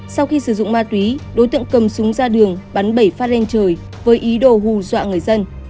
sau khi sử dụng ma túy đối tượng cầm súng ra đường bắn bảy phát ranh trời với ý đồ hù dọa người dân